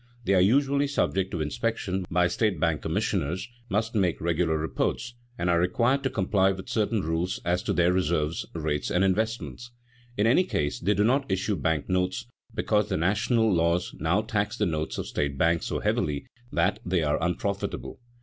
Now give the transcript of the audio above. They are usually subject to inspection by state bank commissioners, must make regular reports, and are required to comply with certain rules as to their reserves, rates, and investments. In any case they do not issue bank notes, because the national laws now tax the notes of state banks so heavily that they are unprofitable.